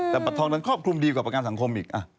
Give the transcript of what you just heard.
แต่บัตรทองนั้นครอบคลุมดีกว่าประกันสังคมอีก